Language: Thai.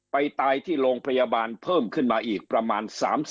ไปตายที่โรงพยาบาลเพิ่มขึ้นมาอีกประมาณ๓๐